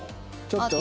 ちょっと。